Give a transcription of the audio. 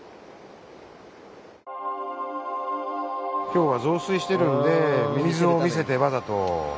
今日は増水してるので水を見せてわざと。